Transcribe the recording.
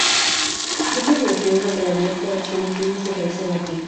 Muchos de los miembros de la diáspora china tienen sus raíces aquí.